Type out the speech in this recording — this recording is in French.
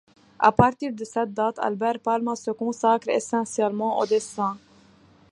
À partir de cette date, Albert Palma se consacre essentiellement au dessin.